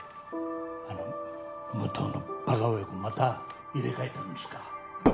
あの武藤のバカ親子また入れ替えたんですか？